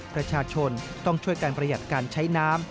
ประชาชนต้องช่วยการประหยัดการใช้น้ำ